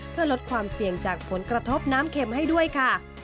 เพื่อลดความเสี่ยงจากผลกระทบน้ำเข็มให้ด้วยค่ะ